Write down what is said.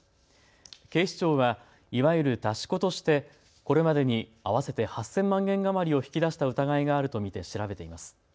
警視庁は、いわゆる出し子としてこれまでに合わせて８０００万円余りを引き出した疑いがあると見て調べています。